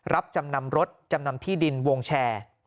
รับจำนำรถจำนำที่ดินวงแชร์